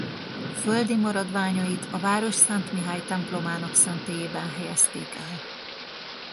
Földi maradványait a város Szent Mihály templomának szentélyében helyezték el.